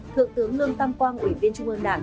thượng tướng lương tam quang ủy viên trung ương đảng